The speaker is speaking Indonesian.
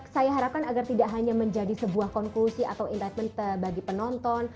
saya harapkan agar tidak hanya menjadi sebuah konklusi atau envin bagi penonton